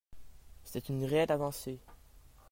C’est une réelle avancée.